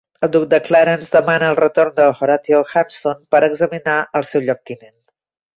El duc de Clarence demana el retorn d'Horatio Hanson per examinar el seu lloctinent.